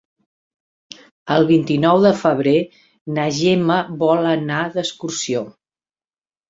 El vint-i-nou de febrer na Gemma vol anar d'excursió.